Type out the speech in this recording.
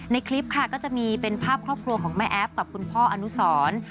คลิปค่ะก็จะมีเป็นภาพครอบครัวของแม่แอฟกับคุณพ่ออนุสร